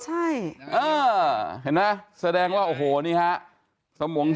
ให้พี่สุดได้นะเรื่องนี้แสดงว่านี้ฮะ